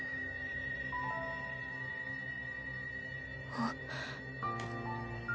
あっ。